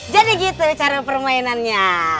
jadi gitu cara permainannya